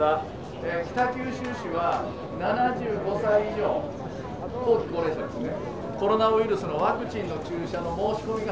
北九州市は７５歳以上後期高齢者ですね。